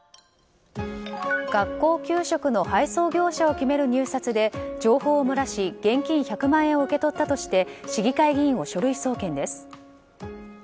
学校給食の配送業者を決める入札で情報を漏らし、現金１００万円を受け取ったとして市議会議員を書類送検です。